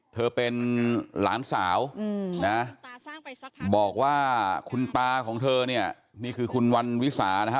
เธอเป็นหลานสาวนะบอกว่าคุณตาของเธอเนี่ยนี่คือคุณวันวิสานะฮะ